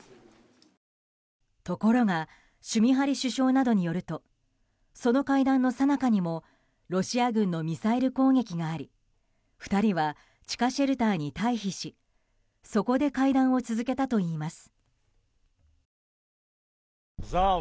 ところがシュミハリ首相によるとその会談のさなかにもロシア軍のミサイル攻撃があり２人は地下シェルターに退避しそこで会談を続けたといいます。